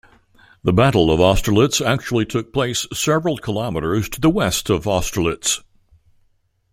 The battle of Austerlitz actually took place several kilometers to the west of Austerlitz.